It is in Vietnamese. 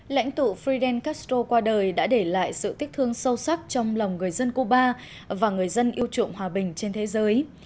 lãnh tụ fidel castro qua đời đã để lại sự tiếc thương sâu sắc trong lòng người dân cuba và người dân yêu chuộng hòa bình trên thế giới